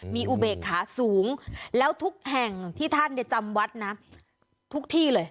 มีอุเบกขาสูงแล้วทุกแห่งที่ท่านจำวัดนะทุกที่เลย